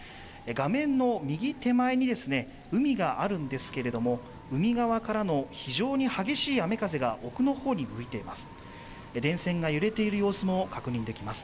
画面の右手前に海があるんですけれども海側からの非常に激しい雨風が奥の方に向いています。